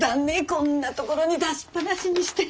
こんなところに出しっぱなしにして。